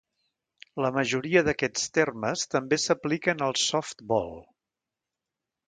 La majoria d'aquests termes també s'apliquen al softbol.